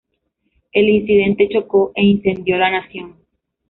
El incidente chocó e incendió la nación.